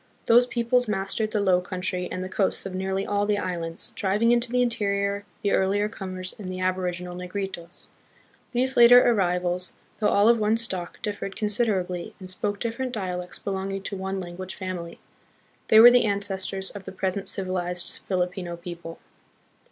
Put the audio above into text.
These peoples mastered the low country and the coasts of nearly all the islands, driving into the interior the earlier comers and the aboriginal Negritos. These later arrivals, though all of one stock, differed considerably, and spoke different dialects belonging to one language family. They were the ancestors of the present civilized Filipino people.